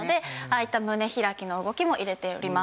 あいった胸開きの動きも入れております。